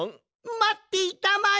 まっていたまえ